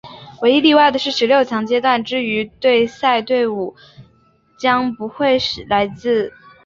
唯一例外是十六强阶段之对赛对伍将不会来自相同国家或于分组赛曾经同组的队伍。